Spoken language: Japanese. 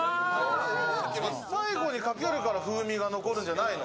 最後にかけるから風味が残るんじゃないの？